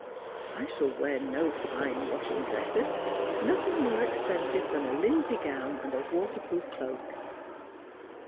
I shall wear no fine washing dresses, nothing more expensive than a Unsey gown and a waterproof cloak."